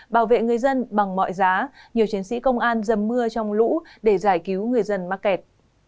bảo vệ người dân bằng mọi giá nhiều chiến sĩ công an dầm mưa trong lũ để giải cứu người dân mắc kẹt